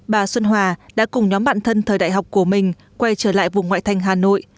bà xuân hòa đã cùng nhóm bạn thân thời đại học của mình quay trở lại vùng ngoại thành hà nội